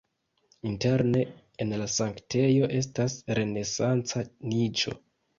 Interne en la sanktejo estas renesanca niĉo.